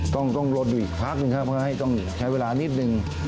ต้องลดอีกพักหนึ่งครับเพื่อให้ต้องใช้เวลานิดนึง